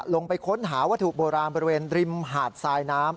ลงไปค้นหาวัตถุโบราณบริเวณริมหาดทรายน้ำ